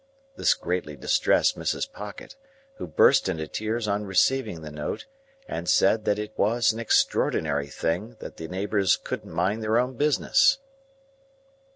This greatly distressed Mrs. Pocket, who burst into tears on receiving the note, and said that it was an extraordinary thing that the neighbours couldn't mind their own business.